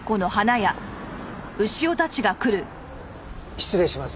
失礼します。